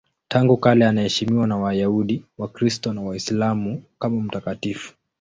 Tangu kale anaheshimiwa na Wayahudi, Wakristo na Waislamu kama mtakatifu.